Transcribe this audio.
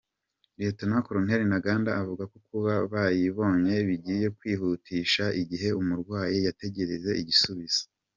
Lt Col Ntaganda avuga ko kuba bayibonye bigiye kwihutisha igihe umurwayi yategerezaga igisubizo.